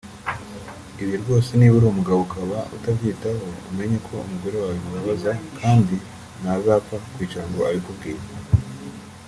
Ibi rwose niba uri umugabo ukaba utabyitaho umenye ko umugore wawe bimubabaza kandi ntazapfa kwicara ngo abikubwire